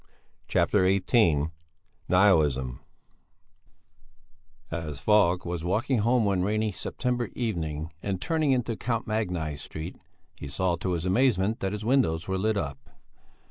CHAPTER XVIII NIHILISM As Falk was walking home one rainy September evening and turning into Count Magni Street, he saw to his amazement that his windows were lit up.